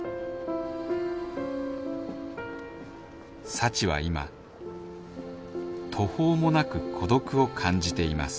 幸は今途方もなく孤独を感じています